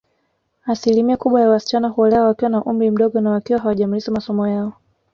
Asilimia kubwa ya wasichana huolewa wakiwa na umri mdogo na wakiwa hawajamaliza masomo yao